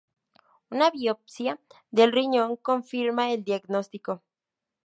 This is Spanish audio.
Una biopsia del riñón confirma el diagnóstico.